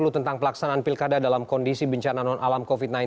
tentang pelaksanaan pilkada dalam kondisi bencana non alam covid sembilan belas